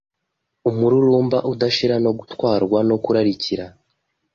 Umururumba udashira no gutwarwa no kurarikira